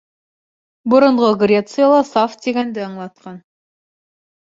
Боронғо Грецияла «саф» тигәнде аңлатҡан.